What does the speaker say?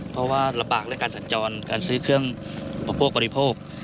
เพราะว่าระบากและการสันจรการซื้อเครื่องประโพกบริโภค